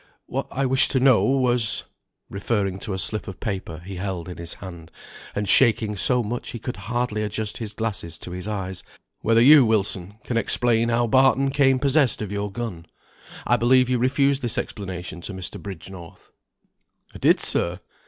"What I wished to know was," referring to a slip of paper he held in his hand, and shaking so much he could hardly adjust his glasses to his eyes, "whether you, Wilson, can explain how Barton came possessed of your gun. I believe you refused this explanation to Mr. Bridgenorth." "I did, sir!